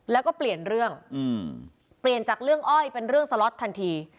แล้วก็เปลี่ยนเรื่องเปลี่ยนจากเรื่องอ้อยเป็นเรื่องสล็อตทันที